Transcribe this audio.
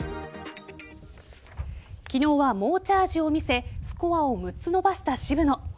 昨日は猛チャージを見せスコアを６つ伸ばした渋野。